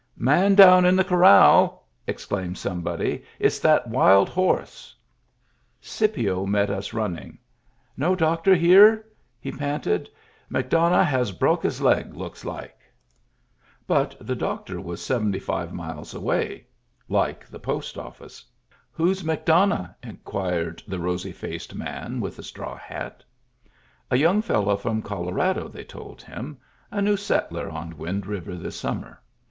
"Man down in the corral," exclaimed some body. " It's that wild horse." Scipio met us, running. No doctor here?* he panted. "McDonough has bruck his leg, looks like." But the doctor was seventy five miles away — like the post office. " Who's McDonough ?" inquired the rosy faced man with the straw hat A young fellow from Colorado, they told him, a new settler on Wind River this summer.